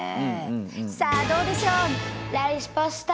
さあどうでしょう？